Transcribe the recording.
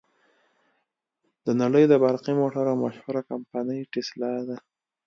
د نړې د برقی موټرو مشهوره کمپنۍ ټسلا ده.